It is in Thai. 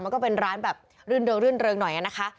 มันก็เป็นร้านแบบรื่นเริงหน่อยน่ะนะคะ